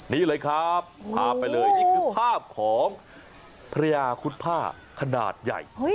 นี่เลยครับพาไปเลยนี่คือภาพของพระยาคุดผ้าขนาดใหญ่